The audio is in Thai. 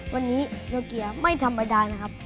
วันนี้โยเกียร์ไม่ธรรมดานะครับ